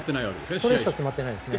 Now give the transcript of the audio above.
それしか決まってないですね。